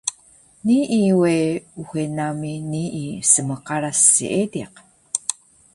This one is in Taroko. Nii we uxe nami nii smqaras seediq